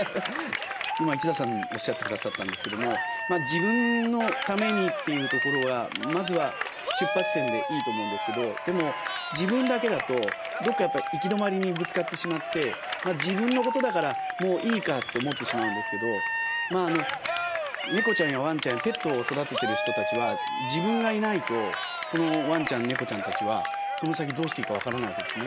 今一田さんおっしゃってくださったんですけども「自分のために」というところがまずは出発点でいいと思うんですけどでも自分だけだとどっかやっぱり行き止まりにぶつかってしまって自分のことだからもういいかって思ってしまうんですけどネコちゃんやワンちゃんやペットを育ててる人たちは自分がいないとこのワンちゃんネコちゃんたちはその先どうしていいか分からないわけですね。